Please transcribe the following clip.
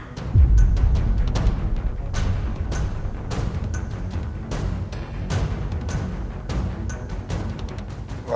dia hasil perkosaan